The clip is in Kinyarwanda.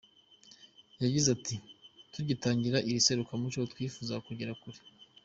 Yagize ati “Tugitangira iri serukiramuco, twifuzaga kugera kure.